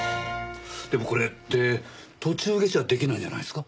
でもこれって途中下車できないんじゃないですか？